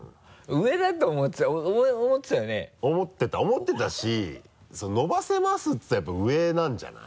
思ってたし伸ばせますって言ったらやっぱり上なんじゃない？